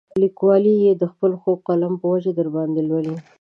لیکوال یې د خپل خواږه قلم په وجه درباندې لولي.